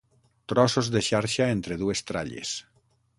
Trossos de xarxa entre dues tralles.